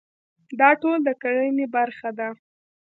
دا ټول د کرنې برخه ده.